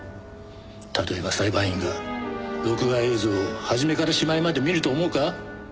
例えば裁判員が録画映像を初めから終いまで見ると思うか？